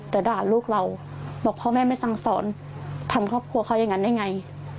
แต่ด่าลูกเราบอกพ่อแม่ไม่สั่งสอนทำครอบครัวเขาอย่างนั้นได้ไง